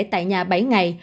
tại nhà bảy ngày